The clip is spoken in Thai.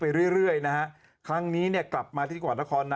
มีเสียงด้วยหรอ